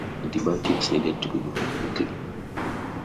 Antibiotics needed to be given quickly.